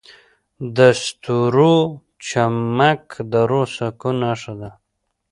د ستورو چمک د روح د سکون نښه ده.